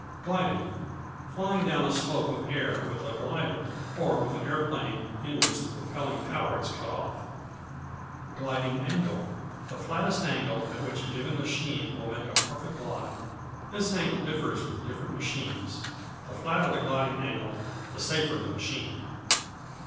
Gliding Flying down a slope of air with a glider, or with an aeroplane in which the propelling power is cut off. Gliding Angle The flattest angle at which a given machine will make a perfect glide. This angle differs with different machines. The flatter the gliding angle the safer the machine.